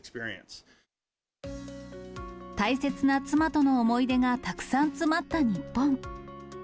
大切な妻との思い出がたくさん詰まった日本。